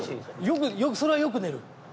よくそれはよく寝る。